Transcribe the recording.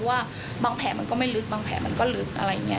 ว่าบางแผลมันก็ไม่ลึกบางแผลมันก็ลึกอะไรอย่างนี้